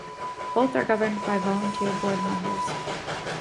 Both are governed by volunteer Board members.